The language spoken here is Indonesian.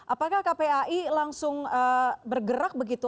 apakah kpai langsung bergerak begitu